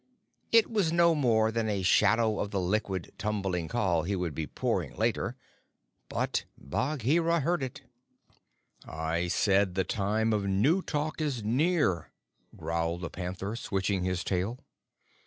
It was no more than a shadow of the liquid, tumbling call he would be pouring later, but Bagheera heard it. "I said the Time of New Talk is near," growled the panther, switching his tail.